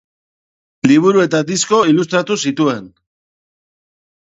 Liburu eta disko ilustratu zituen.